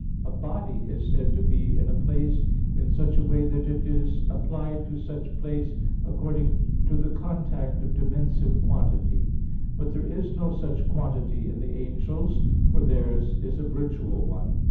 A body is said to be in a place in such a way that it is applied to such place according to the contact of dimensive quantity; but there is no such quantity in the angels, for theirs is a virtual one.